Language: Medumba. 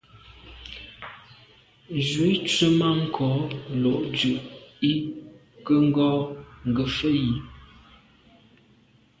Nzwi tswemanko’ lo’ ndu i nke ngo’ ngefet yi.